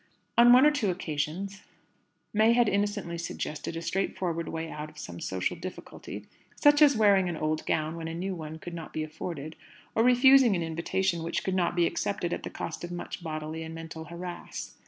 On one or two occasions May had innocently suggested a straightforward way out of some social difficulty; such as wearing an old gown when a new one could not be afforded, or refusing an invitation which could only be accepted at the cost of much bodily and mental harass.